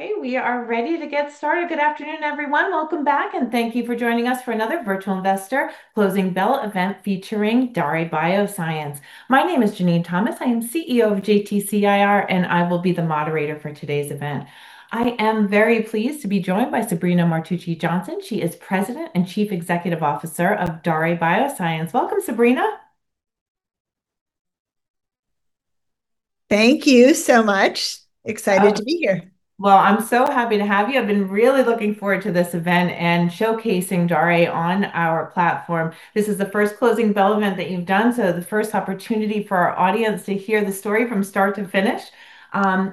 Okay, we are ready to get started. Good afternoon, everyone. Welcome back. Thank you for joining us for another Virtual Investor Closing Bell event featuring Daré Bioscience. My name is Jenene Thomas. I am CEO of JTCIR. I will be the moderator for today's event. I am very pleased to be joined by Sabrina Martucci Johnson. She is President and Chief Executive Officer of Daré Bioscience. Welcome, Sabrina. Thank you so much. Excited to be here. I'm so happy to have you. I've been really looking forward to this event and showcasing Daré on our platform. This is the first Closing Bell event that you've done. The first opportunity for our audience to hear the story from start to finish.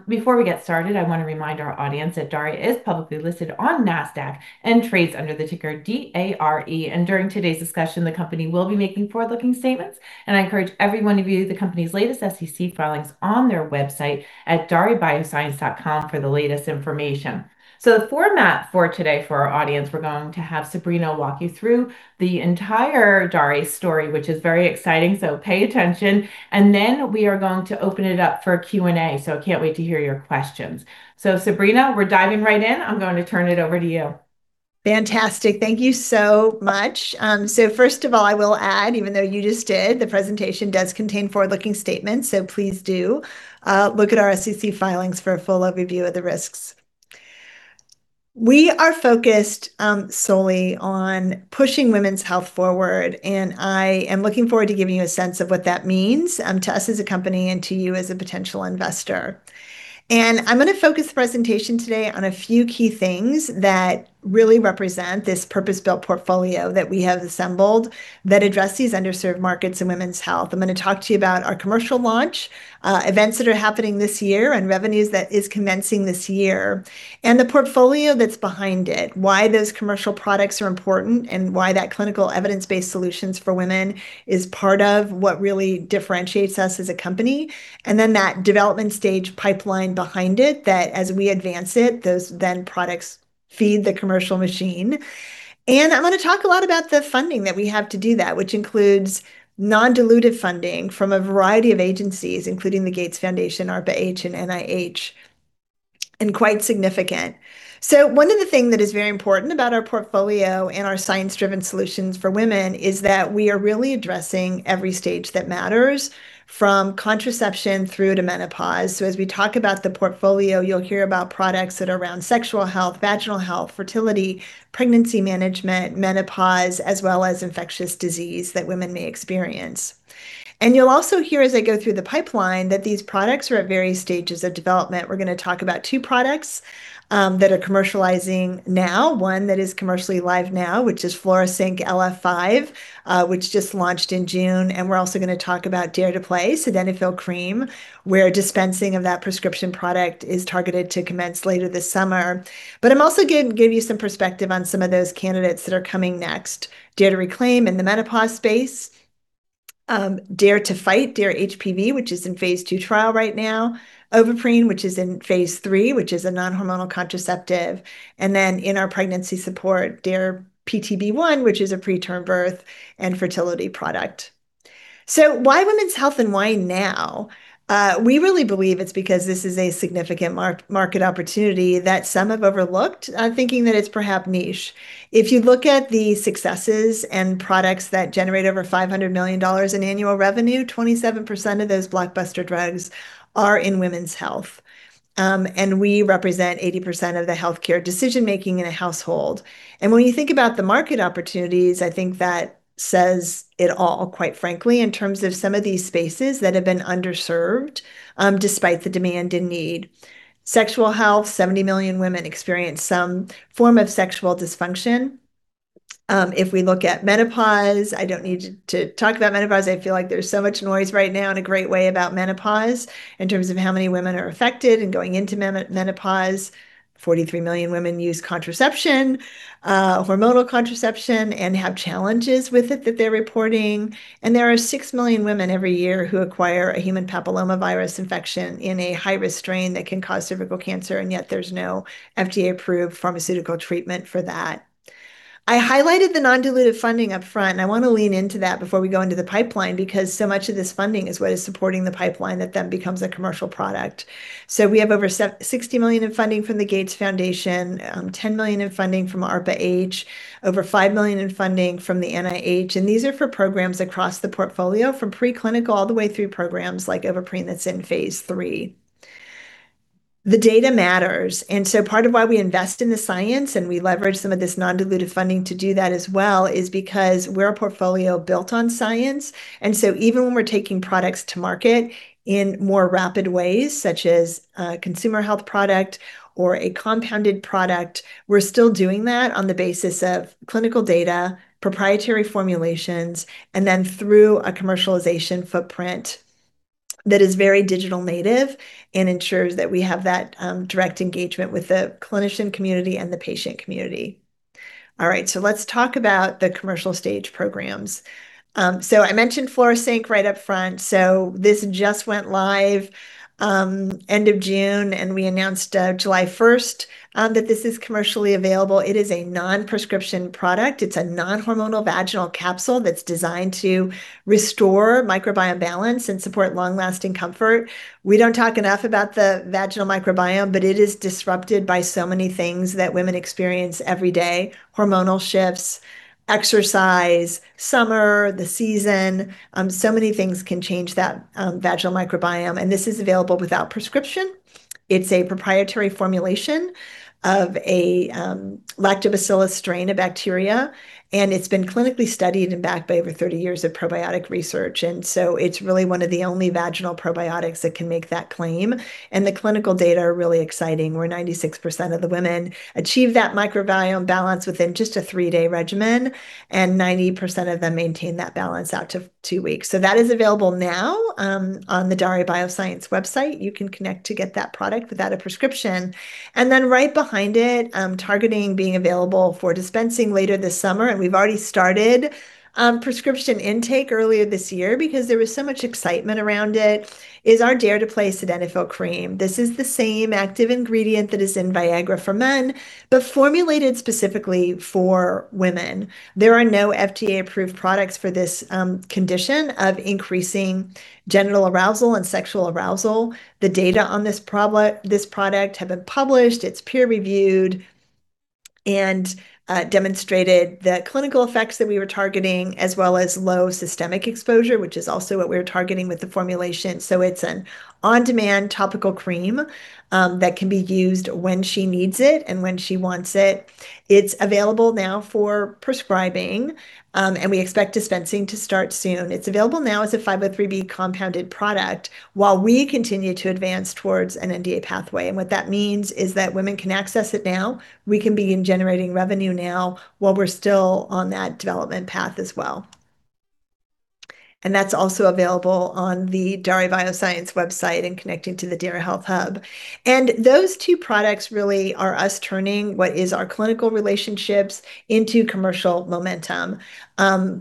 Before we get started, I want to remind our audience that Daré is publicly listed on Nasdaq and trades under the ticker D-A-R-E. During today's discussion, the company will be making forward-looking statements. I encourage everyone to view the company's latest SEC filings on their website at darebioscience.com for the latest information. The format for today for our audience, we're going to have Sabrina walk you through the entire Daré story, which is very exciting. Pay attention. We are going to open it up for Q&A. Can't wait to hear your questions. Sabrina, we're diving right in. I'm going to turn it over to you. Fantastic. Thank you so much. First of all, I will add, even though you just did, the presentation does contain forward-looking statements, so please do look at our SEC filings for a full overview of the risks. We are focused solely on pushing women's health forward, and I am looking forward to giving you a sense of what that means to us as a company and to you as a potential investor. I'm going to focus the presentation today on a few key things that really represent this purpose-built portfolio that we have assembled that address these underserved markets in women's health. I'm going to talk to you about our commercial launch, events that are happening this year, and revenues that is commencing this year, and the portfolio that's behind it, why those commercial products are important, and why that clinical evidence-based solutions for women is part of what really differentiates us as a company. Then that development stage pipeline behind it, that as we advance it, those then products feed the commercial machine. I'm going to talk a lot about the funding that we have to do that, which includes non-dilutive funding from a variety of agencies, including the Gates Foundation, ARPA-H, and NIH, and quite significant. One of the thing that is very important about our portfolio and our science-driven solutions for women is that we are really addressing every stage that matters, from contraception through the menopause. As we talk about the portfolio, you'll hear about products that are around sexual health, vaginal health, fertility, pregnancy management, menopause, as well as infectious disease that women may experience. You'll also hear as I go through the pipeline that these products are at various stages of development. We're going to talk about two products that are commercializing now. One that is commercially live now, which is Flora Sync LF5, which just launched in June. We're also going to talk about DARE to PLAY Sildenafil Cream, where dispensing of that prescription product is targeted to commence later this summer. I'm also going to give you some perspective on some of those candidates that are coming next. DARE to RECLAIM in the menopause space, DARE to FIGHT, DARE-HPV, which is in phase II trial right now. Ovaprene, which is in phase III, which is a non-hormonal contraceptive. Then in our pregnancy support, DARE-PTB1, which is a preterm birth and fertility product. Why women's health and why now? We really believe it's because this is a significant market opportunity that some have overlooked, thinking that it's perhaps niche. If you look at the successes and products that generate over $500 million in annual revenue, 27% of those blockbuster drugs are in women's health. We represent 80% of the healthcare decision-making in a household. When you think about the market opportunities, I think that says it all, quite frankly, in terms of some of these spaces that have been underserved, despite the demand and need. Sexual health, 70 million women experience some form of sexual dysfunction. If we look at menopause, I don't need to talk about menopause, I feel like there's so much noise right now in a great way about menopause, in terms of how many women are affected and going into menopause. 43 million women use contraception, hormonal contraception, and have challenges with it that they're reporting. There are 6 million women every year who acquire a human papillomavirus infection in a high-risk strain that can cause cervical cancer, and yet there's no FDA-approved pharmaceutical treatment for that. I highlighted the non-dilutive funding up front, I want to lean into that before we go into the pipeline, because so much of this funding is what is supporting the pipeline that then becomes a commercial product. We have over $60 million in funding from the Gates Foundation, $10 million in funding from ARPA-H, over $5 million in funding from the NIH, these are for programs across the portfolio from pre-clinical all the way through programs like Ovaprene that's in phase III. The data matters, part of why we invest in the science, we leverage some of this non-dilutive funding to do that as well, is because we're a portfolio built on science. Even when we're taking products to market in more rapid ways, such as a consumer health product or a compounded product, we're still doing that on the basis of clinical data, proprietary formulations, and then through a commercialization footprint that is very digital native and ensures that we have that direct engagement with the clinician community and the patient community. All right, let's talk about the commercial stage programs. I mentioned Flora Sync right up front. This just went live end of June, we announced July 1st that this is commercially available. It is a non-prescription product. It's a non-hormonal vaginal capsule that's designed to restore microbiome balance and support long-lasting comfort. We don't talk enough about the vaginal microbiome, but it is disrupted by so many things that women experience every day, hormonal shifts, exercise, summer, the season. Many things can change that vaginal microbiome, and this is available without prescription. It's a proprietary formulation of a lactobacillus strain of bacteria, and it's been clinically studied and backed by over 30 years of probiotic research. It's really one of the only vaginal probiotics that can make that claim. The clinical data are really exciting, where 96% of the women achieve that microbiome balance within just a three-day regimen, and 90% of them maintain that balance out to two weeks. That is available now on the Daré Bioscience website. You can connect to get that product without a prescription. Right behind it, targeting being available for dispensing later this summer, and we've already started prescription intake earlier this year because there was so much excitement around it, is our DARE to PLAY Sildenafil Cream. This is the same active ingredient that is in VIAGRA for men, but formulated specifically for women. There are no FDA-approved products for this condition of increasing genital arousal and sexual arousal. The data on this product have been published, it's peer-reviewed, and demonstrated the clinical effects that we were targeting, as well as low systemic exposure, which is also what we're targeting with the formulation. It's an on-demand topical cream that can be used when she needs it and when she wants it. It's available now for prescribing, and we expect dispensing to start soon. It's available now as a 503B compounded product while we continue to advance towards an NDA pathway. What that means is that women can access it now. We can begin generating revenue now while we're still on that development path as well. That's also available on the Daré Bioscience website and connecting to the DARE Health Hub. Those two products really are us turning what is our clinical relationships into commercial momentum.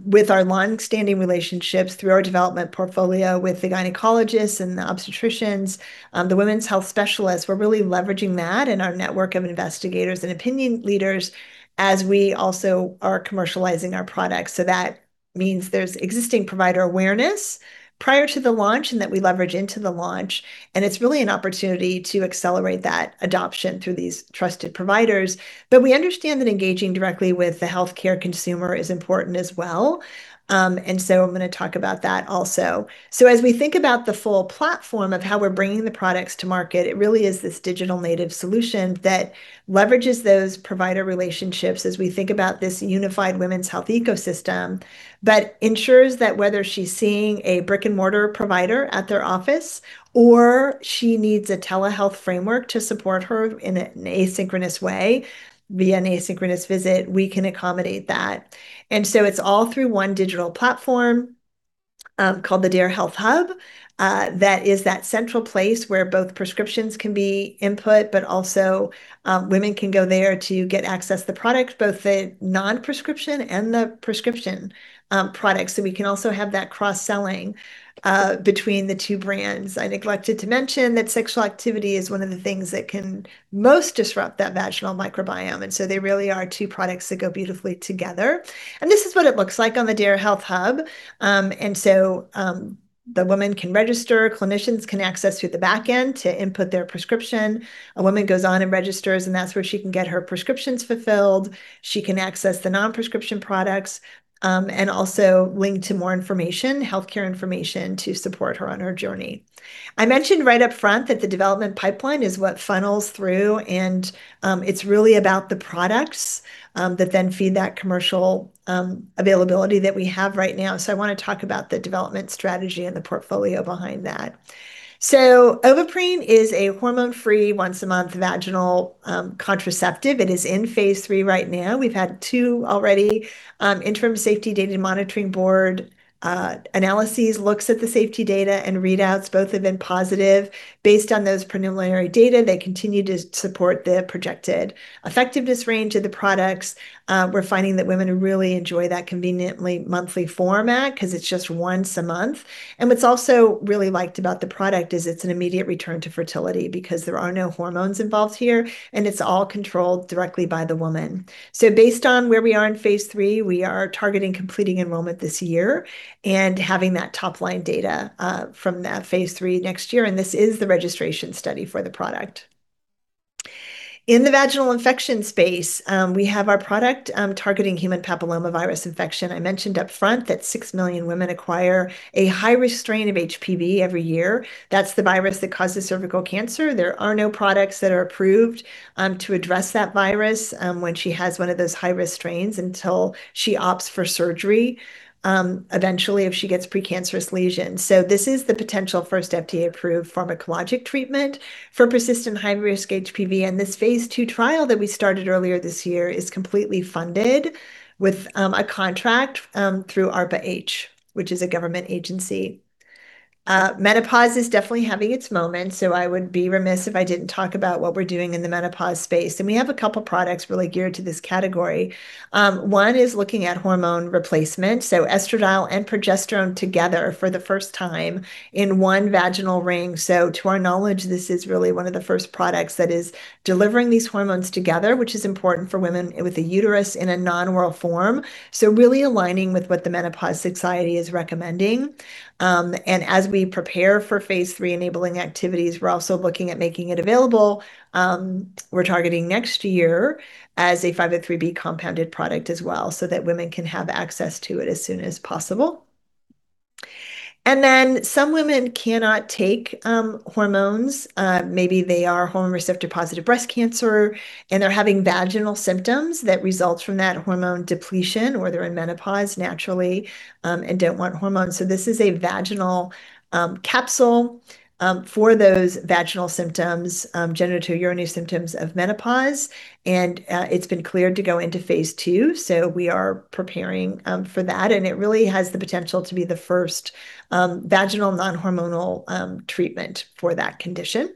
With our longstanding relationships through our development portfolio with the gynecologists and the obstetricians, the women's health specialists, we're really leveraging that and our network of investigators and opinion leaders as we also are commercializing our products. That means there's existing provider awareness prior to the launch and that we leverage into the launch, and it's really an opportunity to accelerate that adoption through these trusted providers. We understand that engaging directly with the healthcare consumer is important as well. I'm going to talk about that also. As we think about the full platform of how we're bringing the products to market, it really is this digital native solution that leverages those provider relationships as we think about this unified women's health ecosystem, but ensures that whether she's seeing a brick-and-mortar provider at their office or she needs a telehealth framework to support her in an asynchronous way via an asynchronous visit, we can accommodate that. It's all through one digital platform called the DARE Health Hub. That is that central place where both prescriptions can be input, but also women can go there to get access to the product, both the non-prescription and the prescription products. We can also have that cross-selling between the two brands. I neglected to mention that sexual activity is one of the things that can most disrupt that vaginal microbiome, and so they really are two products that go beautifully together. This is what it looks like on the DARE Health Hub. The woman can register, clinicians can access through the back end to input their prescription. A woman goes on and registers, and that's where she can get her prescriptions fulfilled. She can access the non-prescription products, and also link to more information, healthcare information, to support her on her journey. I mentioned right up front that the development pipeline is what funnels through, and it's really about the products that then feed that commercial availability that we have right now. I want to talk about the development strategy and the portfolio behind that. Ovaprene is a hormone-free, once-a-month vaginal contraceptive. It is in phase III right now. We've had two already interim safety data monitoring board analyses, looks at the safety data and readouts. Both have been positive. Based on those preliminary data, they continue to support the projected effectiveness range of the products. We're finding that women really enjoy that conveniently monthly format because it's just once a month. What's also really liked about the product is it's an immediate return to fertility because there are no hormones involved here, and it's all controlled directly by the woman. Based on where we are in phase III, we are targeting completing enrollment this year and having that top-line data from that phase III next year, and this is the registration study for the product. In the vaginal infection space, we have our product targeting human papillomavirus infection. I mentioned upfront that 6 million women acquire a high-risk strain of HPV every year. That's the virus that causes cervical cancer. There are no products that are approved to address that virus when she has one of those high-risk strains until she opts for surgery, eventually, if she gets precancerous lesions. This is the potential first FDA-approved pharmacologic treatment for persistent high-risk HPV, and this phase II trial that we started earlier this year is completely funded with a contract through ARPA-H, which is a government agency. Menopause is definitely having its moment, so I would be remiss if I didn't talk about what we're doing in the menopause space. We have a couple products really geared to this category. One is looking at hormone replacement, so estradiol and progesterone together for the first time in one vaginal ring. To our knowledge, this is really one of the first products that is delivering these hormones together, which is important for women with a uterus in a non-oral form. Really aligning with what The Menopause Society is recommending. As we prepare for phase III enabling activities, we're also looking at making it available. We're targeting next year as a 503B compounded product as well so that women can have access to it as soon as possible. Some women cannot take hormones. Maybe they are hormone receptor-positive breast cancer, and they're having vaginal symptoms that result from that hormone depletion, or they're in menopause naturally and don't want hormones. This is a vaginal capsule for those vaginal symptoms, genitourinary symptoms of menopause, and it's been cleared to go into phase II. We are preparing for that, and it really has the potential to be the first vaginal non-hormonal treatment for that condition.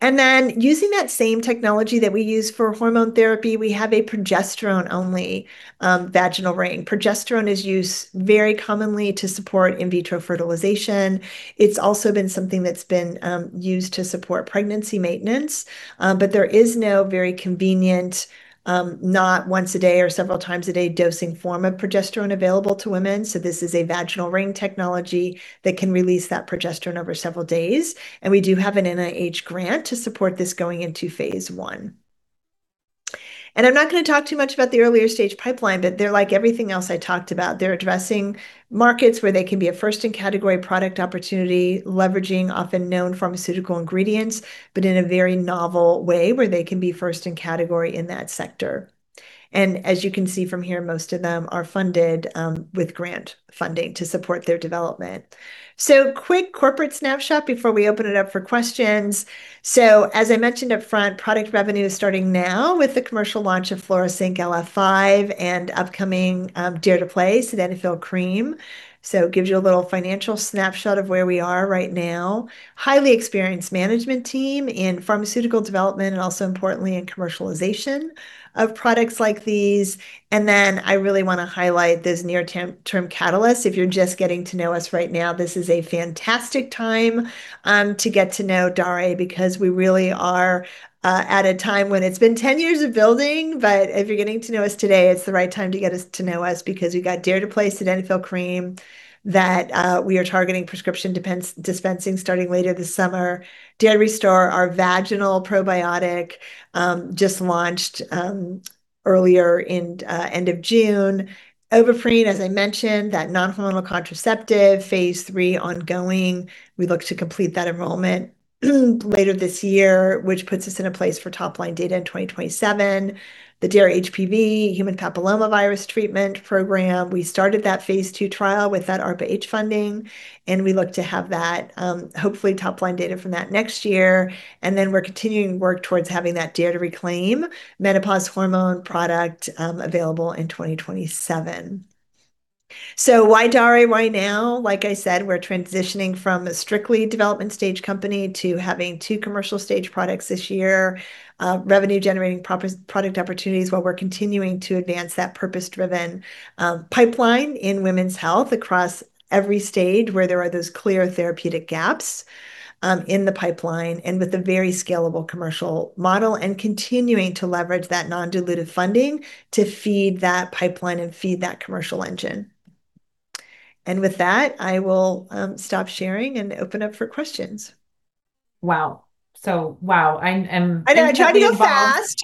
Using that same technology that we use for hormone therapy, we have a progesterone-only vaginal ring. Progesterone is used very commonly to support in vitro fertilization. It's also been something that's been used to support pregnancy maintenance. There is no very convenient, not once a day or several times a day dosing form of progesterone available to women. This is a vaginal ring technology that can release that progesterone over several days. We do have an NIH grant to support this going into phase I. I'm not going to talk too much about the earlier stage pipeline, but they're like everything else I talked about. They're addressing markets where they can be a first in category product opportunity, leveraging often known pharmaceutical ingredients, but in a very novel way where they can be first in category in that sector. As you can see from here, most of them are funded with grant funding to support their development. Quick corporate snapshot before we open it up for questions. As I mentioned upfront, product revenue is starting now with the commercial launch of Flora Sync LF5 and upcoming DARE to PLAY Sildenafil Cream. It gives you a little financial snapshot of where we are right now. Highly experienced management team in pharmaceutical development and also importantly, in commercialization of products like these. Then I really want to highlight this near-term catalyst. If you're just getting to know us right now, this is a fantastic time to get to know Daré because we really are at a time when it's been 10 years of building. If you're getting to know us today, it's the right time to get to know us because we got DARE to PLAY Sildenafil Cream that we are targeting prescription dispensing starting later this summer. DARE to RESTORE, our vaginal probiotic, just launched earlier in end of June. Ovaprene, as I mentioned, that non-hormonal contraceptive, phase III ongoing. We look to complete that enrollment later this year, which puts us in a place for top-line data in 2027. The DARE-HPV, human papillomavirus treatment program, we started that phase II trial with that ARPA-H funding. We look to have that hopefully top-line data from that next year. Then we're continuing work towards having that DARE to RECLAIM menopause hormone product available in 2027. Why Daré, why now? Like I said, we're transitioning from a strictly development stage company to having two commercial stage products this year, revenue-generating product opportunities, while we're continuing to advance that purpose-driven pipeline in women's health across every stage where there are those clear therapeutic gaps in the pipeline and with a very scalable commercial model. Continuing to leverage that non-dilutive funding to feed that pipeline and feed that commercial engine. With that, I will stop sharing and open up for questions. Wow. Wow, I am intimately involved. I know, I try to go fast.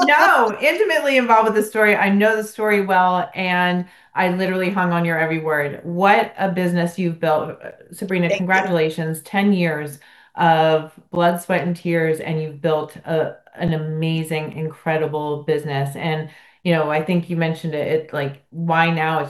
No. Intimately involved with the story. I know the story well, and I literally hung on your every word. What a business you've built. Sabrina- Thank you. Congratulations. 10 years of blood, sweat, and tears, and you've built an amazing, incredible business. I think you mentioned it, like why now?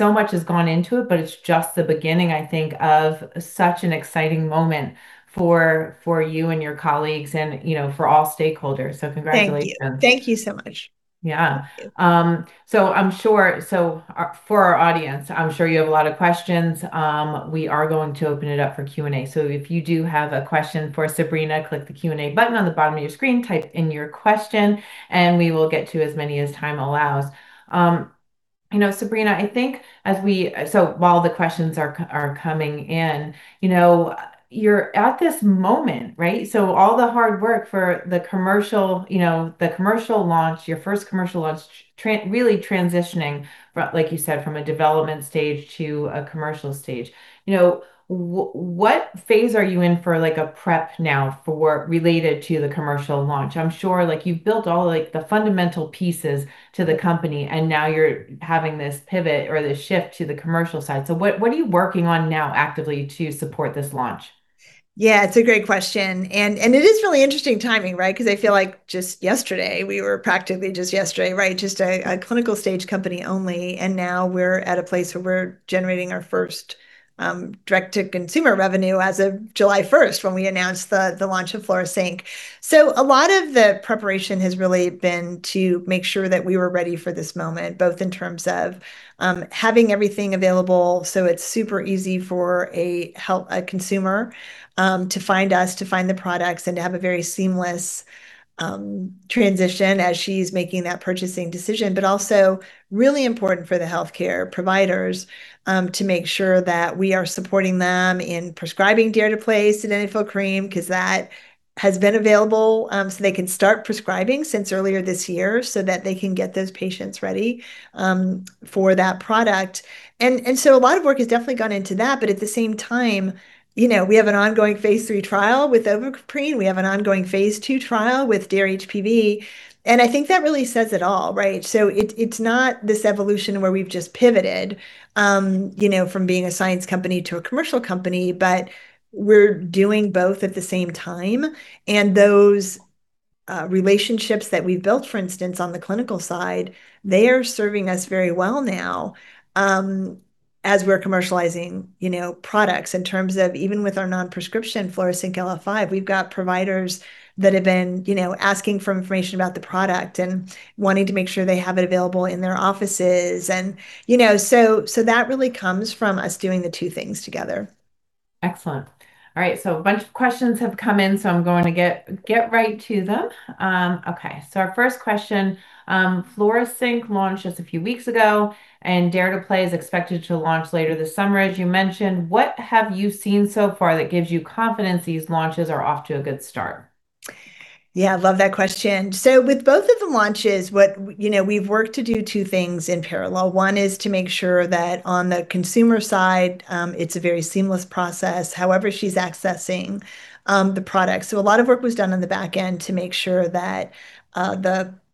Much has gone into it, but it's just the beginning, I think, of such an exciting moment for you and your colleagues and for all stakeholders. Congratulations. Thank you so much. For our audience, I'm sure you have a lot of questions. We are going to open it up for Q&A. If you do have a question for Sabrina, click the Q&A button on the bottom of your screen, type in your question, and we will get to as many as time allows. Sabrina, while the questions are coming in, you're at this moment, right? All the hard work for the commercial launch, your first commercial launch, really transitioning, like you said, from a development stage to a commercial stage. What phase are you in for like a prep now related to the commercial launch? I'm sure you've built all the fundamental pieces to the company, and now you're having this pivot or this shift to the commercial side. What are you working on now actively to support this launch? It's a great question. It is really interesting timing, right? Because I feel like just yesterday, we were practically a clinical stage company only, and now we're at a place where we're generating our first direct-to-consumer revenue as of July 1st when we announced the launch of Flora Sync. A lot of the preparation has really been to make sure that we were ready for this moment, both in terms of having everything available so it's super easy for a consumer to find us, to find the products, and to have a very seamless transition as she's making that purchasing decision. Also really important for the healthcare providers to make sure that we are supporting them in prescribing DARE to PLAY Sildenafil Cream, because that has been available, they can start prescribing since earlier this year, that they can get those patients ready for that product. A lot of work has definitely gone into that, at the same time, we have an ongoing phase III trial with Ovaprene. We have an ongoing phase II trial with DARE-HPV, I think that really says it all, right? It's not this evolution where we've just pivoted from being a science company to a commercial company, we're doing both at the same time. Those relationships that we've built, for instance, on the clinical side, they are serving us very well now as we're commercializing products in terms of even with our non-prescription Flora Sync LF5, we've got providers that have been asking for information about the product and wanting to make sure they have it available in their offices. That really comes from us doing the two things together. Excellent. All right, a bunch of questions have come in, I'm going to get right to them. Okay, our first question, Flora Sync launched just a few weeks ago, DARE to PLAY is expected to launch later this summer, as you mentioned. What have you seen so far that gives you confidence these launches are off to a good start? Yeah, love that question. With both of the launches, we've worked to do two things in parallel. One is to make sure that on the consumer side, it's a very seamless process, however she's accessing the product. A lot of work was done on the back end to make sure that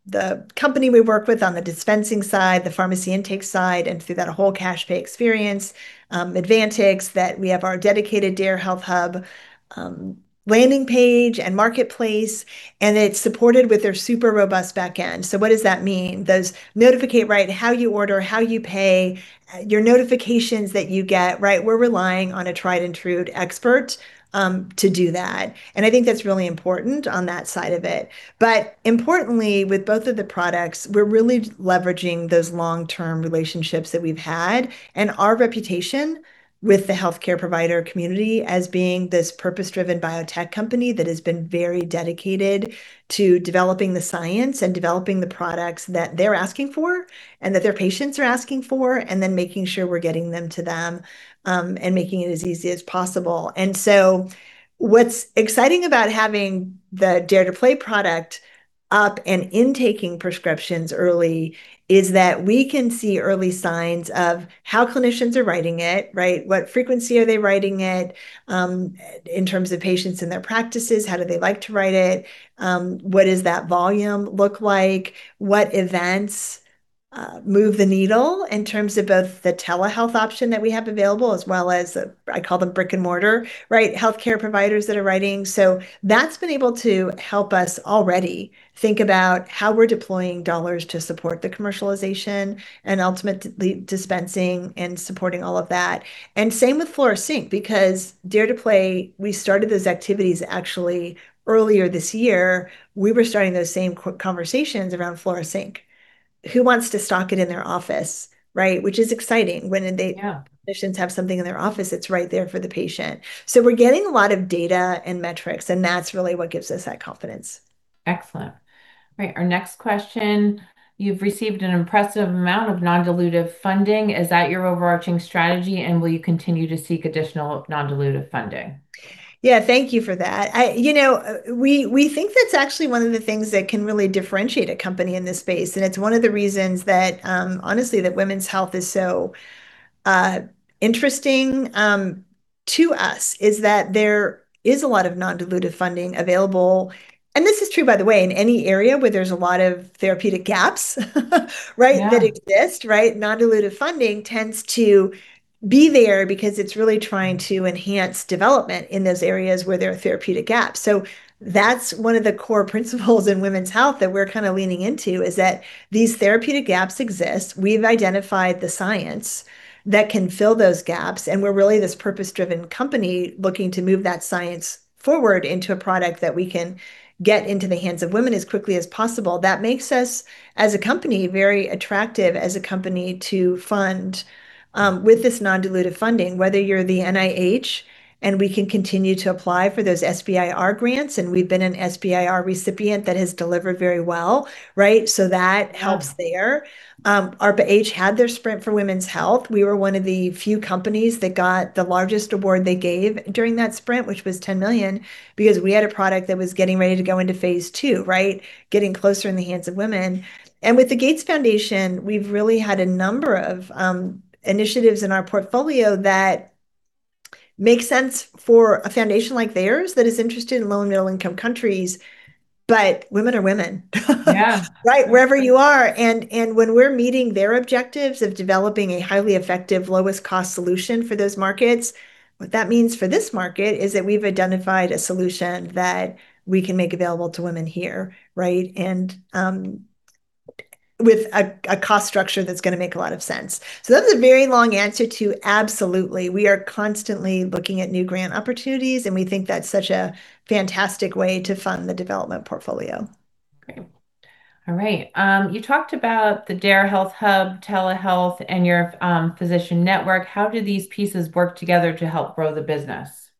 the company we work with on the dispensing side, the pharmacy intake side, and through that whole cash pay experience, Advantixx, that we have our dedicated DARE Health Hub landing page and marketplace, and it's supported with their super robust back end. What does that mean? Those notifications, how you order, how you pay, your notifications that you get, we're relying on a tried and true expert to do that, and I think that's really important on that side of it. Importantly, with both of the products, we're really leveraging those long-term relationships that we've had and our reputation with the healthcare provider community as being this purpose-driven biotech company that has been very dedicated to developing the science and developing the products that they're asking for, and that their patients are asking for, and then making sure we're getting them to them, and making it as easy as possible. What's exciting about having the DARE to PLAY product up and intaking prescriptions early is that we can see early signs of how clinicians are writing it. What frequency are they writing it? In terms of patients in their practices, how do they like to write it? What does that volume look like? What events move the needle in terms of both the telehealth option that we have available, as well as, I call them brick-and-mortar healthcare providers that are writing. That's been able to help us already think about how we're deploying dollars to support the commercialization and ultimately dispensing and supporting all of that. Same with Flora Sync, because DARE to PLAY, we started those activities actually earlier this year. We were starting those same conversations around Flora Sync. Who wants to stock it in their office? Which is exciting when they- Yeah. Clinicians have something in their office that's right there for the patient. We're getting a lot of data and metrics, and that's really what gives us that confidence. Excellent. Right, our next question, you've received an impressive amount of non-dilutive funding. Is that your overarching strategy, and will you continue to seek additional non-dilutive funding? Yeah, thank you for that. We think that's actually one of the things that can really differentiate a company in this space, and it's one of the reasons that, honestly, that women's health is so interesting to us is that there is a lot of non-dilutive funding available. This is true, by the way, in any area where there's a lot of therapeutic gaps right? Yeah. That exist. Non-dilutive funding tends to be there because it's really trying to enhance development in those areas where there are therapeutic gaps. That's one of the core principles in women's health that we're kind of leaning into, is that these therapeutic gaps exist. We've identified the science that can fill those gaps, and we're really this purpose-driven company looking to move that science forward into a product that we can get into the hands of women as quickly as possible. That makes us, as a company, very attractive as a company to fund, with this non-dilutive funding, whether you're the NIH, and we can continue to apply for those SBIR grants, and we've been an SBIR recipient that has delivered very well. That helps there. ARPA-H had their Sprint for Women's Health. We were one of the few companies that got the largest award they gave during that sprint, which was $10 million, because we had a product that was getting ready to go into phase II, getting closer in the hands of women. With the Gates Foundation, we've really had a number of initiatives in our portfolio that make sense for a foundation like theirs that is interested in low- and middle-income countries, but women are women. Yeah. Right? Wherever you are. When we're meeting their objectives of developing a highly effective, lowest cost solution for those markets, what that means for this market is that we've identified a solution that we can make available to women here. With a cost structure that's going to make a lot of sense. That was a very long answer to, absolutely, we are constantly looking at new grant opportunities, and we think that's such a fantastic way to fund the development portfolio. Great. All right. You talked about the DARE Health Hub, telehealth, and your physician network. How do these pieces work together to help grow the business?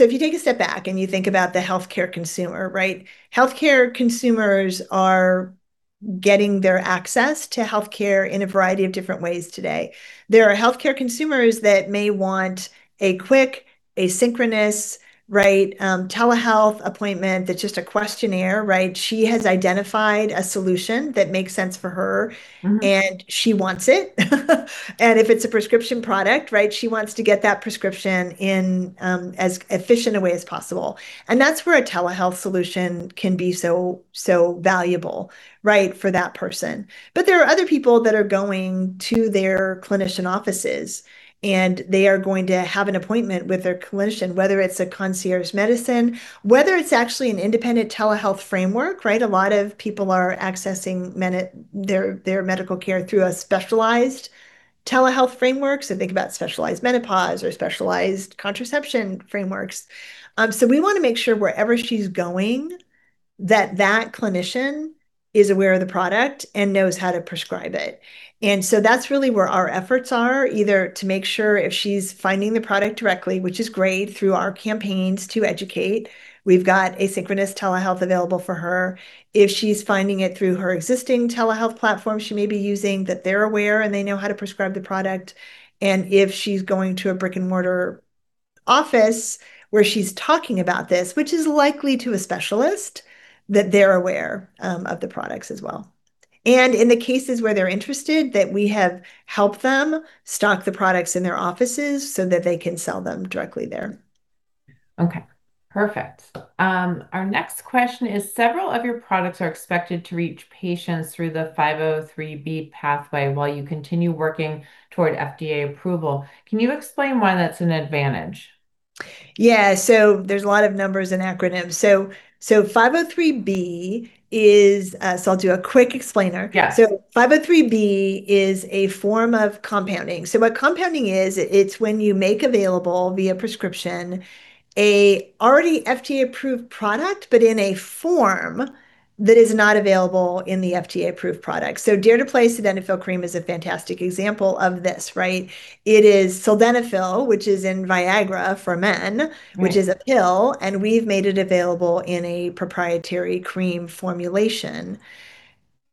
If you take a step back and you think about the healthcare consumer. Healthcare consumers are getting their access to healthcare in a variety of different ways today. There are healthcare consumers that may want a quick asynchronous telehealth appointment that's just a questionnaire. She has identified a solution that makes sense for her, and she wants it. If it's a prescription product, she wants to get that prescription in as efficient a way as possible. That's where a telehealth solution can be so valuable for that person. There are other people that are going to their clinician offices, and they are going to have an appointment with their clinician, whether it's a concierge medicine, whether it's actually an independent telehealth framework. A lot of people are accessing their medical care through a specialized telehealth framework. Think about specialized menopause or specialized contraception frameworks. We want to make sure wherever she's going, that that clinician is aware of the product and knows how to prescribe it. That's really where our efforts are, either to make sure if she's finding the product directly, which is great, through our campaigns to educate. We've got asynchronous telehealth available for her. If she's finding it through her existing telehealth platform she may be using, that they're aware and they know how to prescribe the product. If she's going to a brick-and-mortar office where she's talking about this, which is likely to a specialist, that they're aware of the products as well. In the cases where they're interested, that we have helped them stock the products in their offices so that they can sell them directly there. Perfect. Our next question is, several of your products are expected to reach patients through the 503B pathway while you continue working toward FDA approval. Can you explain why that's an advantage? There's a lot of numbers and acronyms. 503B is I'll do a quick explainer. Yes. 503B is a form of compounding. What compounding is, it's when you make available via prescription a already FDA-approved product, but in a form that is not available in the FDA-approved product. DARE to PLAY Sildenafil Cream is a fantastic example of this. It is sildenafil, which is in VIAGRA for men. Yeah. Which is a pill, we've made it available in a proprietary cream formulation.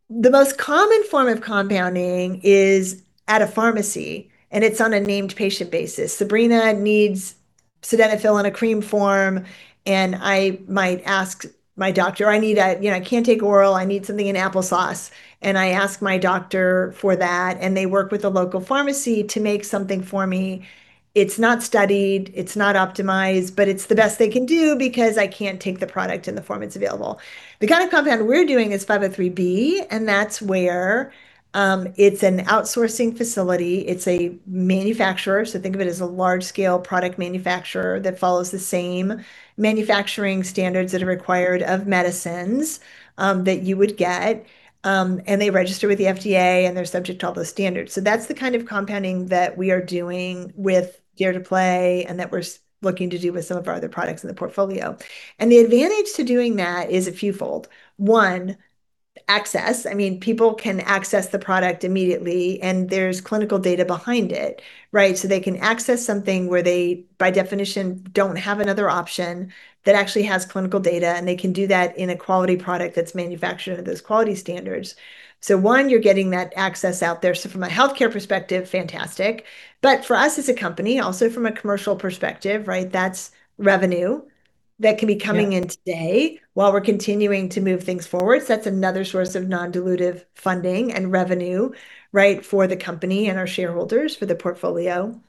The most common form of compounding is at a pharmacy, it's on a named patient basis. Sabrina needs sildenafil in a cream form, I might ask my doctor, "I can't take oral, I need something in applesauce." I ask my doctor for that, they work with a local pharmacy to make something for me. It's not studied, it's not optimized, it's the best they can do because I can't take the product in the form it's available. The kind of compound we're doing is 503B, that's where it's an outsourcing facility. It's a manufacturer, think of it as a large-scale product manufacturer that follows the same manufacturing standards that are required of medicines that you would get. They register with the FDA, they're subject to all those standards. That's the kind of compounding that we are doing with DARE to PLAY that we're looking to do with some of our other products in the portfolio. The advantage to doing that is a few fold. One, access. People can access the product immediately, there's clinical data behind it. They can access something where they, by definition, don't have another option that actually has clinical data, they can do that in a quality product that's manufactured under those quality standards. One, you're getting that access out there, from a healthcare perspective, fantastic. For us as a company, also from a commercial perspective, that's revenue that can be coming. Yeah. In today while we're continuing to move things forward. That's another source of non-dilutive funding and revenue for the company and our shareholders for the portfolio.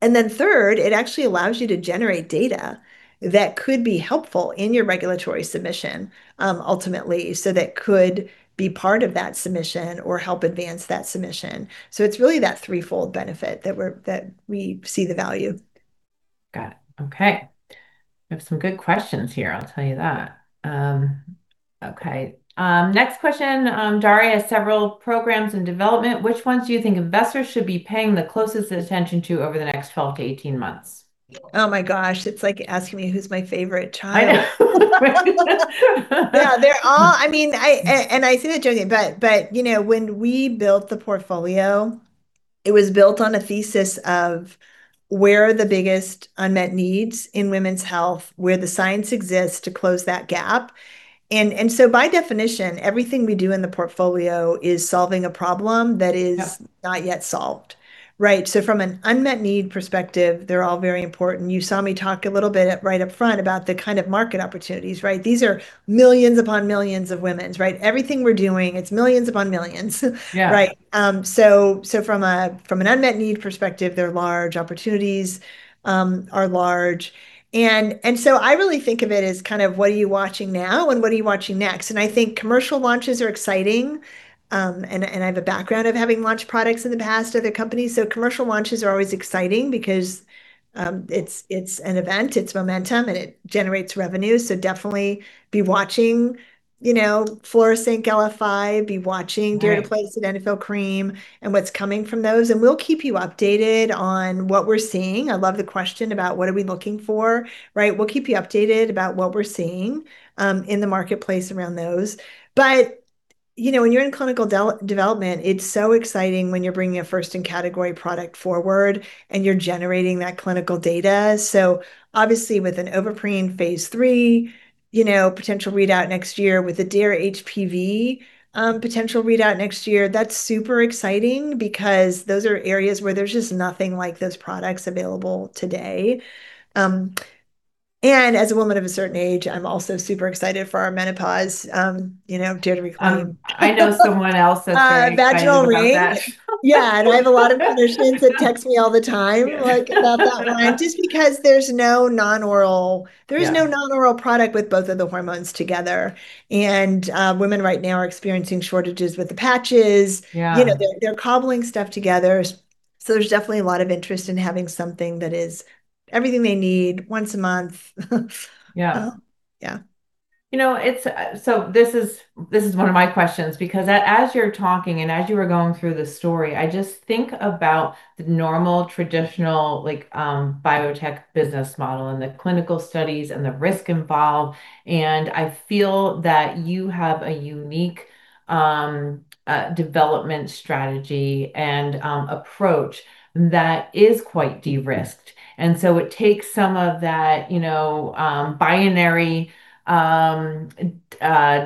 Third, it actually allows you to generate data that could be helpful in your regulatory submission, ultimately. That could be part of that submission or help advance that submission. It's really that threefold benefit that we see the value. Got it. Okay. We have some good questions here, I'll tell you that. Okay. Next question. Daré has several programs in development. Which ones do you think investors should be paying the closest attention to over the next 12-18 months? Oh my gosh. It's like asking me who's my favorite child. I know. Yeah. I say that jokingly, but when we built the portfolio, it was built on a thesis of where are the biggest unmet needs in women's health, where the science exists to close that gap. By definition, everything we do in the portfolio is solving a problem that is. Yep. Not yet solved. From an unmet need perspective, they're all very important. You saw me talk a little bit right up front about the kind of market opportunities. These are millions upon millions of women. Everything we're doing, it's millions upon millions. Yeah. From an unmet need perspective, they're large, opportunities are large. I really think of it as kind of what are you watching now and what are you watching next? I think commercial launches are exciting. I have a background of having launched products in the past at the company. Commercial launches are always exciting because it's an event, it's momentum, and it generates revenue. Definitely be watching Flora Sync LF5. Right. DARE to PLAY Sildenafil Cream and what's coming from those, and we'll keep you updated on what we're seeing. I love the question about what are we looking for. We'll keep you updated about what we're seeing in the marketplace around those. When you're in clinical development, it's so exciting when you're bringing a first-in-category product forward, and you're generating that clinical data. Obviously, with an Ovaprene phase III, potential readout next year, with a DARE-HPV potential readout next year, that's super exciting because those are areas where there's just nothing like those products available today. As a woman of a certain age, I'm also super excited for our menopause DARE to RECLAIM. I know someone else that's very excited about that. Vaginal ring. Yeah. I have a lot of clinicians that text me all the time. Yeah. About that one, just because there is no none oral. Yeah. There is no non-oral product with both of the hormones together. Women right now are experiencing shortages with the patches. Yeah. They're cobbling stuff together. There's definitely a lot of interest in having something that is everything they need, once a month. Yeah. Yeah. This is one of my questions, because as you're talking and as you were going through the story, I just think about the normal, traditional biotech business model, and the clinical studies, and the risk involved, and I feel that you have a unique development strategy and approach that is quite de-risked. It takes some of that binary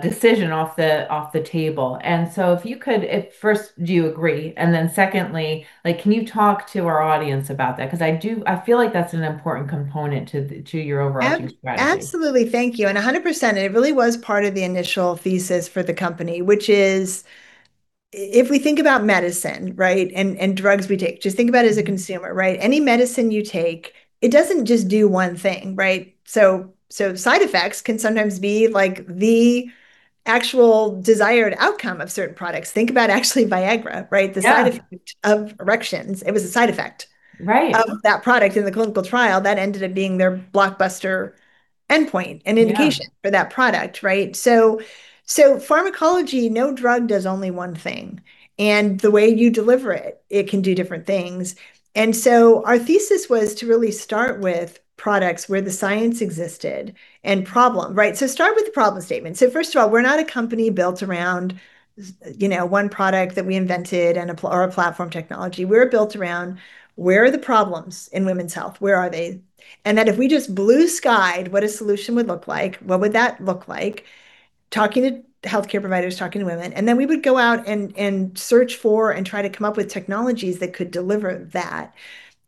decision off the table. If you could, first, do you agree? Then secondly, can you talk to our audience about that? Because I feel like that's an important component to your overarching strategy. Absolutely. Thank you, and 100%. It really was part of the initial thesis for the company, which is if we think about medicine and drugs we take, just think about it as a consumer. Any medicine you take, it doesn't just do one thing, right? Side effects can sometimes be the actual desired outcome of certain products. Think about actually VIAGRA, right? Yeah. The side effect of erections, it was a side effect. Right. Of that product in the clinical trial that ended up being their blockbuster endpoint and indication. Yeah. For that product. Right? Pharmacology, no drug does only one thing, and the way you deliver it can do different things. Our thesis was to really start with products where the science existed and problem, right? Start with the problem statement. First of all, we're not a company built around one product that we invented or a platform technology. We're built around where are the problems in women's health? Where are they? If we just blue-skied what a solution would look like, what would that look like? Talking to healthcare providers, talking to women, then we would go out and search for and try to come up with technologies that could deliver that.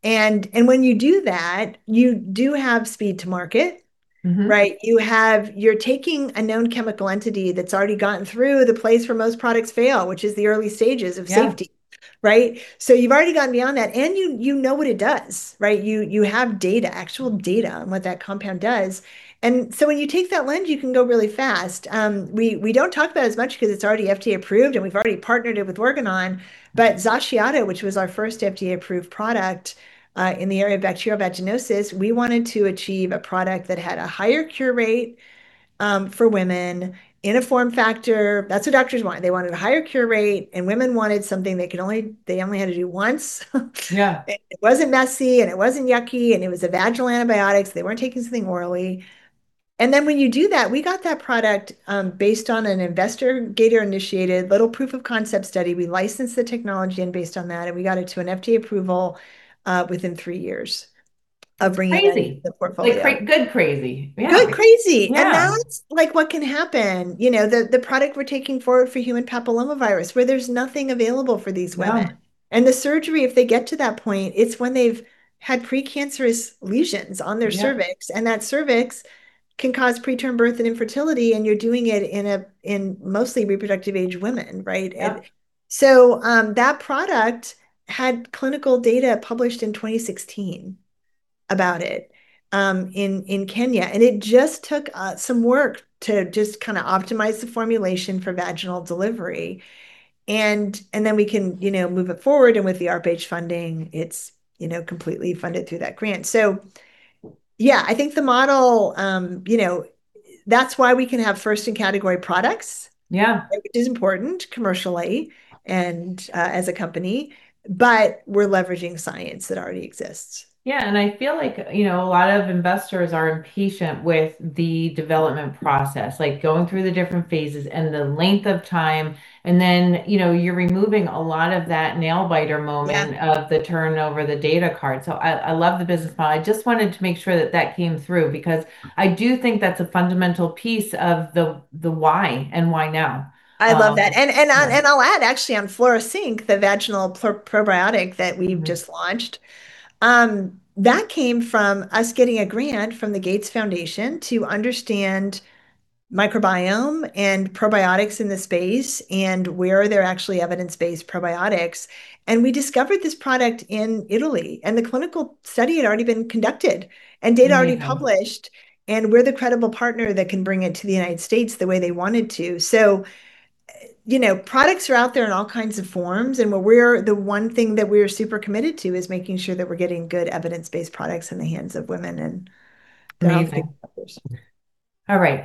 When you do that, you do have speed to market. Right? You're taking a known chemical entity that's already gotten through the place where most products fail, which is the early stages of safety. Yeah. Right? You've already gotten beyond that, and you know what it does. You have data, actual data, on what that compound does. When you take that lens, you can go really fast. We don't talk about it as much because it's already FDA-approved, and we've already partnered it with Organon, but XACIATO, which was our first FDA-approved product in the area of bacterial vaginosis, we wanted to achieve a product that had a higher cure rate for women in a form factor. That's what doctors want. They wanted a higher cure rate, and women wanted something they only had to do once. Yeah. It wasn't messy, and it wasn't yucky, and it was a vaginal antibiotic, so they weren't taking something orally. When you do that, we got that product based on an investigator-initiated little proof of concept study. We licensed the technology. Based on that, and we got it to an FDA approval within three years of bringing. Crazy. That into the portfolio. Like good crazy. Yeah. Good crazy. Yeah. That's what can happen. The product we're taking forward for human papillomavirus, where there's nothing available for these women. Yeah. The surgery, if they get to that point, it's when they've had precancerous lesions on their cervix. Yeah. That cervix can cause preterm birth and infertility, and you're doing it in mostly reproductive-age women, right? Yeah. That product had clinical data published in 2016 about it in Kenya, and it just took some work to just kind of optimize the formulation for vaginal delivery. Then we can move it forward, and with the ARPA-H funding, it's completely funded through that grant. Yeah, I think the model, that's why we can have first-in-category products. Yeah. Which is important commercially and as a company, but we're leveraging science that already exists. Yeah. I feel like a lot of investors are impatient with the development process, going through the different phases and the length of time, then you're removing a lot of that nail-biter moment. Yeah. Of the turnover, the data card. I love the business model. I just wanted to make sure that that came through because I do think that's a fundamental piece of the why and why now. I love that. Yeah. I'll add actually on Flora Sync, the vaginal probiotic that we've just launched, that came from us getting a grant from the Gates Foundation to understand microbiome and probiotics in this space, and where are there actually evidence-based probiotics. We discovered this product in Italy, and the clinical study had already been conducted, and data. Wow. Already published, and we're the credible partner that can bring it to the United States the way they wanted to. Products are out there in all kinds of forms, and the one thing that we are super committed to is making sure that we're getting good evidence-based products in the hands of women and- Amazing. All right.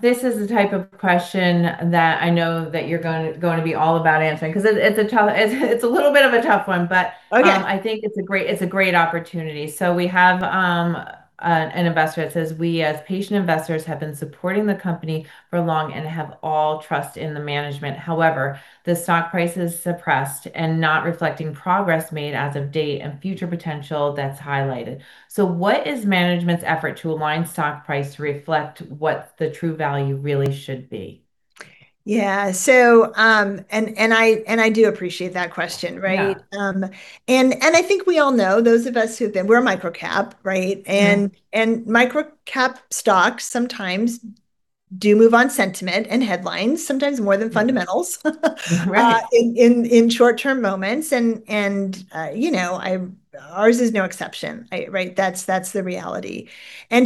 This is the type of question that I know that you're going to be all about answering, because it's a little bit of a tough one, but. Okay. I think it's a great opportunity. We have an investor that says, "We, as patient investors, have been supporting the company for long and have all trust in the management. However, the stock price is suppressed and not reflecting progress made as of date and future potential that's highlighted." What is management's effort to align stock price to reflect what the true value really should be? Yeah. I do appreciate that question, right? Yeah. I think we all know, those of us who've been, we're a microcap, right? Yeah. Microcap stocks sometimes do move on sentiment and headlines, sometimes more than fundamentals. Right. In short-term moments, ours is no exception, right? That's the reality. I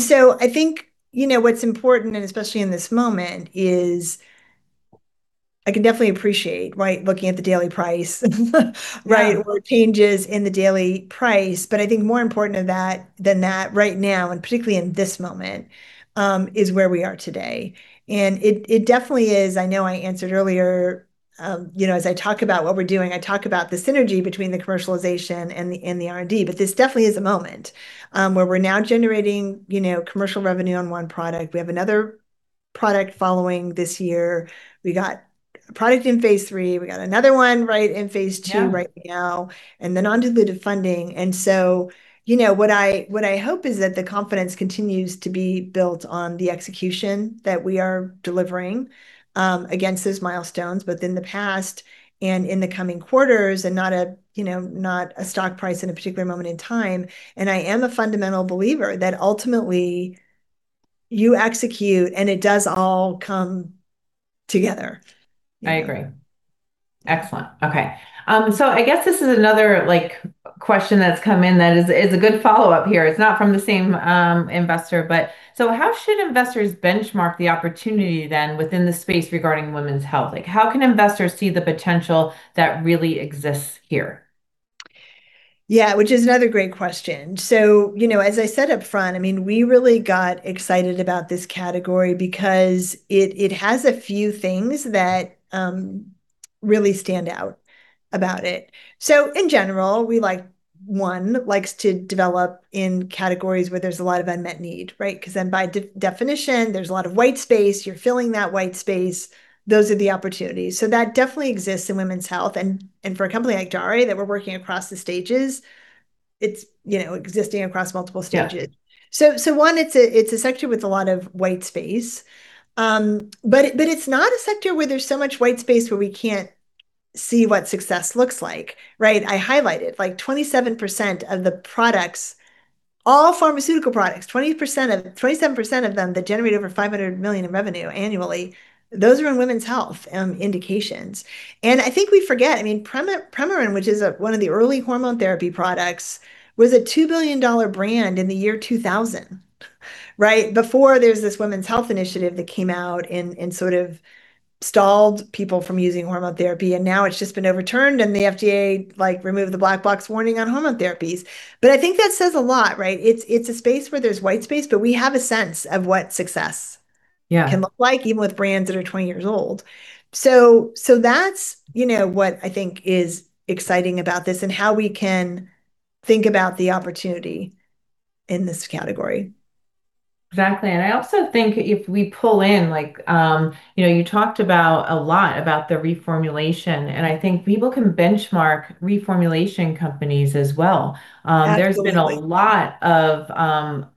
think, what's important, and especially in this moment is, I can definitely appreciate, right? Looking at the daily price. Right. Or changes in the daily price. I think more important than that right now, and particularly in this moment, is where we are today. It definitely is, I know I answered earlier, as I talk about what we're doing, I talk about the synergy between the commercialization and the R&D, but this definitely is a moment where we're now generating commercial revenue on one product. We have another product following this year. We got a product in phase III. We got another one right in phase II. Yeah. Right now, and the non-dilutive funding. What I hope is that the confidence continues to be built on the execution that we are delivering against those milestones, both in the past and in the coming quarters, and not a stock price in a particular moment in time. I am a fundamental believer that ultimately, you execute, and it does all come together. I agree. Excellent. Okay. I guess this is another question that's come in that is a good follow-up here. It's not from the same investor. How should investors benchmark the opportunity, then, within the space regarding Women's Health? How can investors see the potential that really exists here? Yeah, which is another great question. As I said up front, we really got excited about this category because it has a few things that really stand out about it. In general, we, one, likes to develop in categories where there's a lot of unmet need, right? Because then by definition, there's a lot of white space. You're filling that white space. Those are the opportunities. That definitely exists in Women's Health, and for a company like Daré that we're working across the stages, it's existing across multiple stages. Yeah. One, it's a sector with a lot of white space. It's not a sector where there's so much white space where we can't see what success looks like, right? I highlighted, 27% of the products, all pharmaceutical products, 27% of them that generate over $500 million in revenue annually, those are in women's health indications. I think we forget, Premarin, which is one of the early hormone therapy products, was a $2 billion brand in the year 2000, right? Before there was this women's health initiative that came out and sort of stalled people from using hormone therapy, and now it's just been overturned and the FDA removed the black box warning on hormone therapies. I think that says a lot, right? It's a space where there's white space, but we have a sense of what success- Yeah. Can look like, even with brands that are 20 years old. That's what I think is exciting about this, and how we can think about the opportunity in this category. Exactly, I also think if we pull in, you talked a lot about the reformulation, and I think people can benchmark reformulation companies as well. Absolutely. There's been a lot of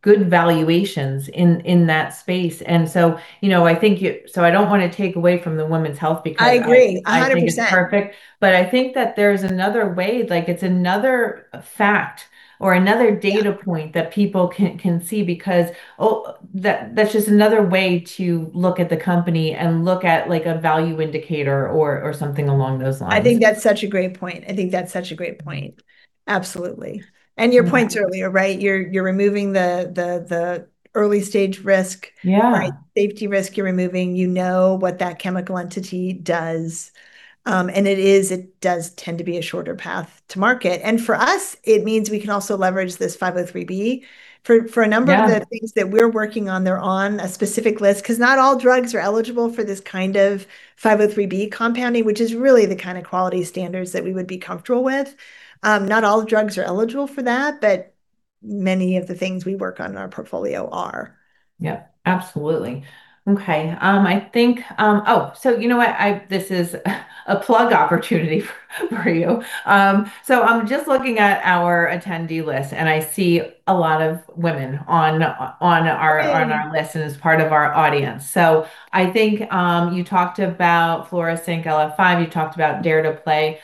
good valuations in that space, I don't want to take away from the women's health because- I agree 100%. I think it's perfect, I think that there's another way, like it's another fact or another data point. Yeah. That people can see because that's just another way to look at the company and look at a value indicator or something along those lines. I think that's such a great point. I think that's such a great point. Absolutely. Your points earlier, right? You're removing the early-stage risk. Yeah. Right? Safety risk, you're removing. You know what that chemical entity does. It does tend to be a shorter path to market. For us, it means we can also leverage this 503B. For a number- Yeah. Of the things that we're working on, they're on a specific list, because not all drugs are eligible for this kind of 503B compounding, which is really the kind of quality standards that we would be comfortable with. Not all drugs are eligible for that, but many of the things we work on in our portfolio are. Yep, absolutely. Okay. You know what? This is a plug opportunity for you. I'm just looking at our attendee list, and I see a lot of women on- Good. On our list and as part of our audience. I think you talked about Flora Sync LF5, you talked about DARE to PLAY.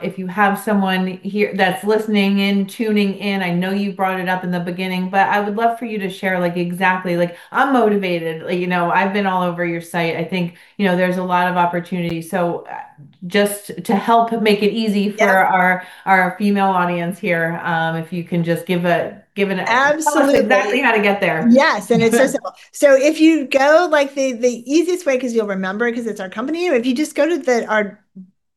If you have someone that's listening in, tuning in, I know you brought it up in the beginning, but I would love for you to share exactly, like, "I'm motivated. I've been all over your site. I think there's a lot of opportunity." Just to help make it easy- Yeah. For our female audience here, if you can just give. Absolutely. Tell us exactly how to get there. Yes, it's so simple. If you go, the easiest way, because you'll remember it, because it's our company name. If you just go to our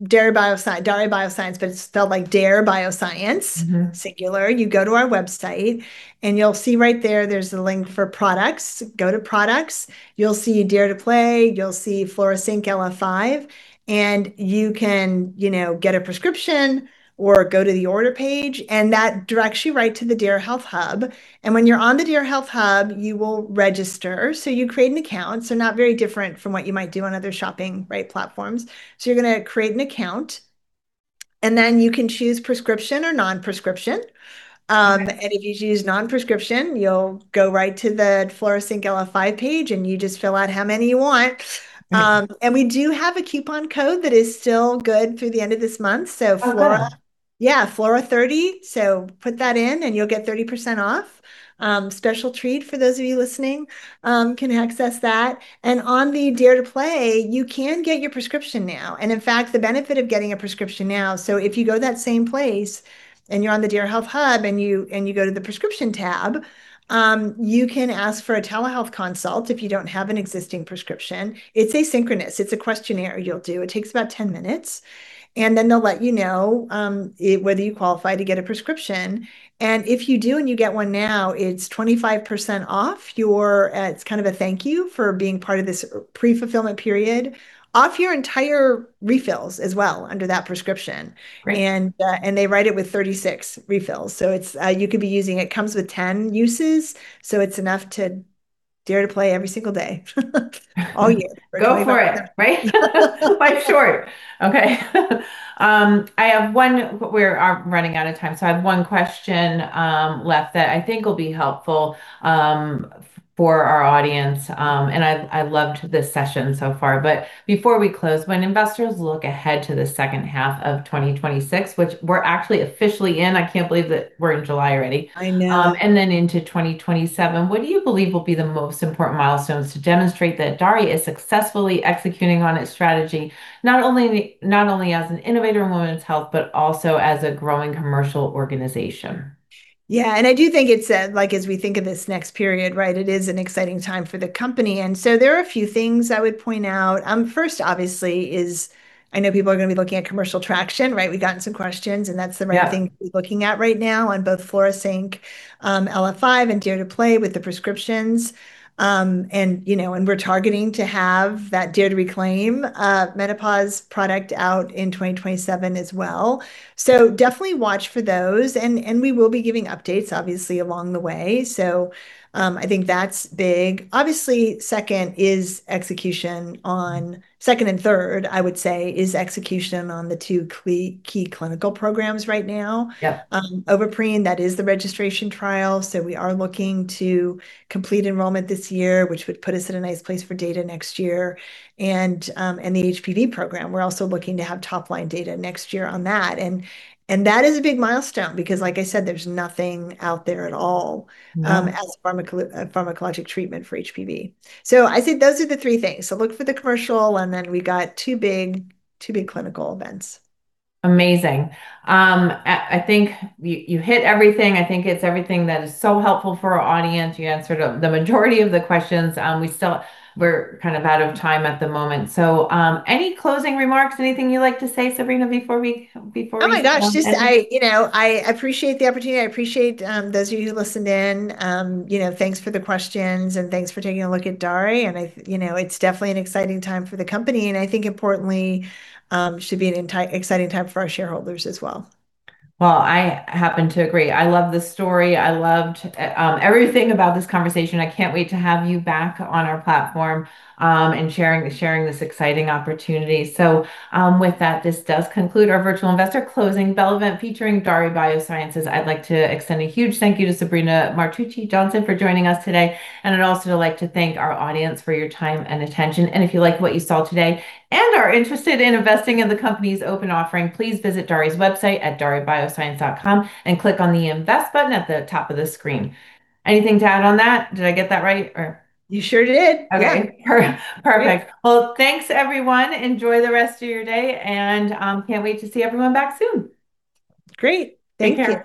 Daré Bioscience, but it's spelled like Dare Bioscience. Singular. You go to our website, you'll see right there's the link for products. Go to products. You'll see DARE to PLAY, you'll see Flora Sync LF5, you can get a prescription or go to the order page, and that directs you right to the DARE Health Hub. When you're on the DARE Health Hub, you will register. You create an account, not very different from what you might do on other shopping platforms. You're going to create an account, then you can choose prescription or non-prescription. Okay. If you choose non-prescription, you'll go right to the Flora Sync LF5 page, and you just fill out how many you want. We do have a coupon code that is still good through the end of this month. Oh, good. Flora30. Put that in, and you'll get 30% off. Special treat for those of you listening can access that. On the DARE to PLAY, you can get your prescription now. In fact, the benefit of getting a prescription now, if you go to that same place and you're on the DARE Health Hub, and you go to the prescription tab, you can ask for a telehealth consult if you don't have an existing prescription. It's asynchronous. It's a questionnaire you'll do. It takes about 10 minutes, they'll let you know whether you qualify to get a prescription. If you do, and you get one now, it's 25% off your entire refills as well under that prescription. Great. They write it with 36 refills. You could be using, it comes with 10 uses, so it's enough to DARE to PLAY every single day. All year. Go for it, right? Life's short. Okay. We are running out of time. I have one question left that I think will be helpful for our audience, and I've loved this session so far. Before we close, when investors look ahead to the second half of 2026, which we're actually officially in, I can't believe that we're in July already. I know. Into 2027, what do you believe will be the most important milestones to demonstrate that Daré is successfully executing on its strategy, not only as an innovator in women's health, but also as a growing commercial organization? I do think it's, as we think of this next period, it is an exciting time for the company. There are a few things I would point out. First, obviously, is I know people are going to be looking at commercial traction, right? We've gotten some questions, and that's the- Yeah. Main thing we're looking at right now on both Flora Sync LF5 and DARE to PLAY with the prescriptions. We're targeting to have that DARE to RECLAIM menopause product out in 2027 as well. Definitely watch for those, and we will be giving updates, obviously, along the way. I think that's big. Obviously, second and third, I would say, is execution on the two key clinical programs right now. Yeah. Ovaprene, that is the registration trial. We are looking to complete enrollment this year, which would put us in a nice place for data next year. The HPV program, we're also looking to have top-line data next year on that. That is a big milestone because like I said, there's nothing out there at all- Yeah. As pharmacologic treatment for HPV. I think those are the three things. Look for the commercial, and then we got two big clinical events. Amazing. I think you hit everything. I think it's everything that is so helpful for our audience. You answered the majority of the questions. We're kind of out of time at the moment. Any closing remarks, anything you'd like to say, Sabrina, before we end? Oh, my gosh. I appreciate the opportunity. I appreciate those of you who listened in. Thanks for the questions, and thanks for taking a look at Daré, and it's definitely an exciting time for the company, and I think importantly, should be an exciting time for our shareholders as well. Well, I happen to agree. I love the story. I loved everything about this conversation. I can't wait to have you back on our platform and sharing this exciting opportunity. With that, this does conclude our Virtual Investor Closing Bell event featuring Daré Bioscience. I'd like to extend a huge thank you to Sabrina Martucci Johnson for joining us today, and I'd also like to thank our audience for your time and attention. If you like what you saw today and are interested in investing in the company's open offering, please visit Daré's website at darebioscience.com and click on the Invest button at the top of the screen. Anything to add on that? Did I get that right? You sure did. Yeah. Okay. Perfect. Yeah. Well, thanks, everyone. Enjoy the rest of your day, and can't wait to see everyone back soon. Great. Thank you.